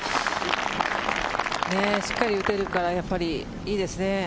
しっかり打てるからいいですね。